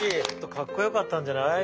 かっこよかったんじゃない？